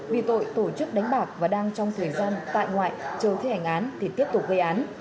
vì tội tổ chức đánh bạc và đang trong thời gian tại ngoại chờ thi hành án thì tiếp tục gây án